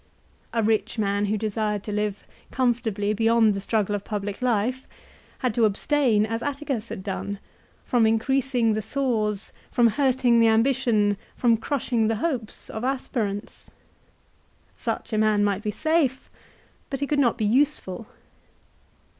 A rich man who desired to live comfortably beyond the struggle of public life had to abstain, as Atticus had done, from increasing the sores, from hurting the ambition, from crushing "the hopes of aspirants. Such a man might be safe but he could not be useful.